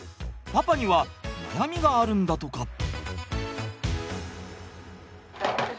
パパには悩みがあるんだとか。